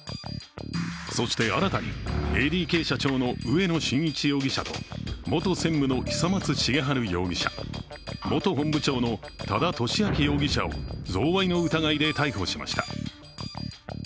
そして、新たにＡＤＫ社長の植野伸一容疑者と元専務の久松茂治容疑者、元本部長の多田俊明容疑者を贈賄の疑いで逮捕しました。